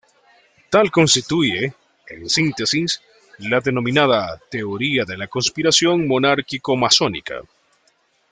Tal constituye, en síntesis, la denominada: "teoría de la conspiración monárquico-masónica".